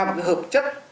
một hợp chất